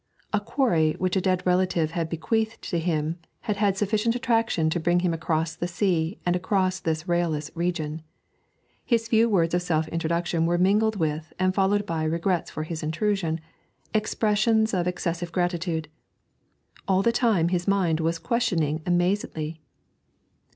A quarry which a dead relative had bequeathed to him had had sufficient attraction to bring him across the sea and across this railless region. His few words of self introduction were mingled with and followed by regrets for his intrusion, expressions of excessive gratitude. All the time his mind was questioning amazedly.